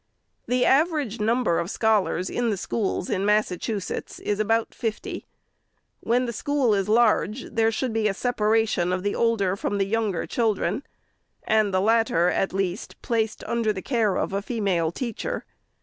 The average number of scholars in the schools in Mas sachusetts is about fifty. When the school is large, there should be a separation of the older from the younger children, and the latter, at least, placed under the care of a female teacher.